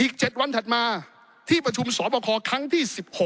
อีก๗วันถัดมาที่ประชุมสอบคอครั้งที่๑๖